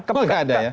oh tidak ada ya